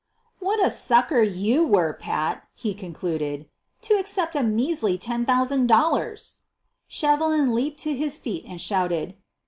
"What a sucker you were, Pat," he concluded, "to accept a measly $10,000." Shevelin leaped to his feet and shouted.